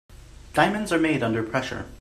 Diamonds are made under pressure.